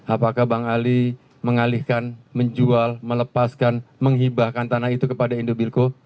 apakah bang ali mengalihkan menjual melepaskan menghibahkan tanah itu kepada indobilco